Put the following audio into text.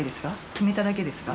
「決めただけですが」